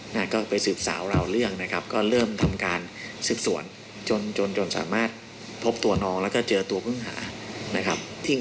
นะครับก็ไปสืบสาวเราเรื่องนะครับก็เริ่มทำการสืบส่วนจนจนจน